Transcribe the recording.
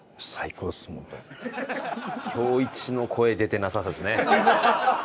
今日イチの声出てなさですね。